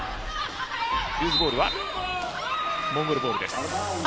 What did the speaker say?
ルーズボールはモンゴルボールです。